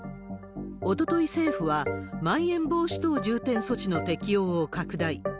おととい政府は、まん延防止等重点措置の適用を拡大。